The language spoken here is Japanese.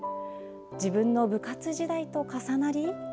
自分の部活時代と重なり。